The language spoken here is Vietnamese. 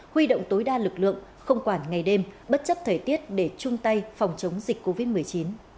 huy động tối đa lực lượng không quản ngày đêm bất chấp thời tiết để chung tay phòng chống dịch covid một mươi chín